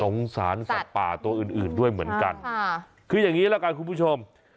สารสัตว์ป่าตัวอื่นอื่นด้วยเหมือนกันคืออย่างนี้ละกันคุณผู้ชม